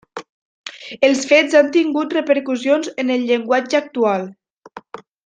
Els fets han tingut repercussions en el llenguatge actual.